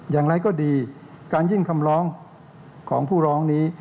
อย่างไรก็ดีการยื่นคำร้องของผู้ร้องนี้